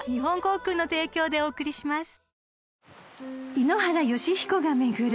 ［井ノ原快彦が巡る